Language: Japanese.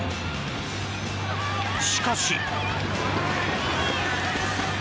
しかし。